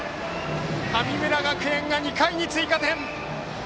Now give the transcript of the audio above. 神村学園が２回に追加点！